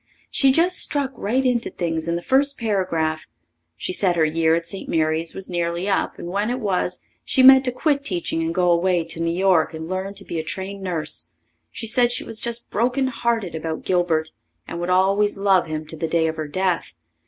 She just struck right into things in the first paragraph. She said her year at St. Mary's was nearly up, and when it was she meant to quit teaching and go away to New York and learn to be a trained nurse. She said she was just broken hearted about Gilbert, and would always love him to the day of her death.